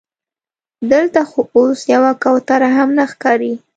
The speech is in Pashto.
دلته خو اوس یوه کوتره هم نه ښکاري.